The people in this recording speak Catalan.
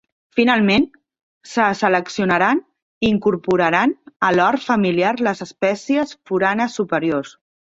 Finalment, se seleccionaren i incorporaren a l'hort familiar les espècies foranes superiors.